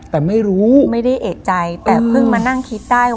แต่ไม่รู้ไม่ได้เอกใจแต่เพิ่งมานั่งคิดได้ว่า